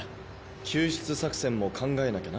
救出作戦も考えなきゃな。